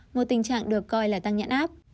một tình trạng được coi là tăng nhãn áp